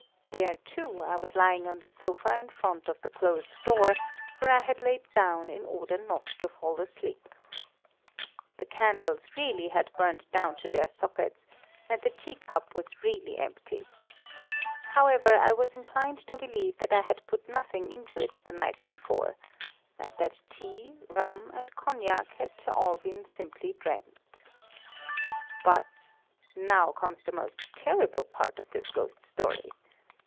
There, too, I was lying on the sofa in front of the closed door, where I had laid down in order not to fall asleep. The candles really had burnt down to their sockets, and the teacup was really empty. However, I was inclined to believe that I had put nothing into it the night before, and that tea, rum, and cognac had all been simply dreamt. But now comes the most terrible part of this ghost story.